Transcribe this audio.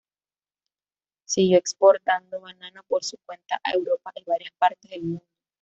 Siguió exportando banano por su cuenta a Europa y varias partes del mundo.